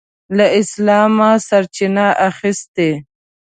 له اسلامه سرچینه اخیسته.